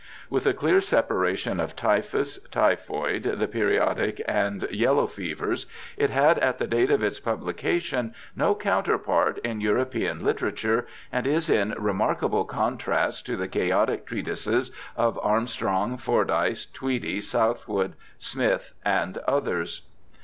With a clear separation of Typhus, Typhoid, the Periodic, and Yellow Fevers, it had at the date of its pub lication no counterpart in European literature, and is in remarkable contrast to the chaotic treatises of Armstrong, Fordyce, Tweedie, Southwood Smith, and others.